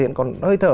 nó còn hơi thở